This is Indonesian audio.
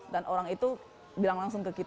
dan orang itu bilang langsung ke dia